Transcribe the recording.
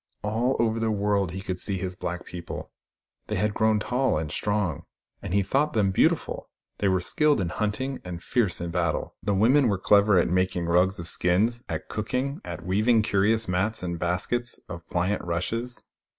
All over the world he could see his black people. They had grown tall and strong, and he thought them beautiful. They were skilled in hunting, and fierce in battle : the women were clever at making rugs of skins, at cooking, at weaving curious mats and baskets of phant rushes.